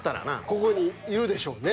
ここにいるでしょうね。